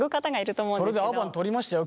それでアバン撮りましたよ